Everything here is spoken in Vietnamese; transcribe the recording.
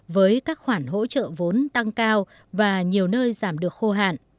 với các khoản hỗ trợ vốn tăng cao và nhiều nơi giảm được khô hạn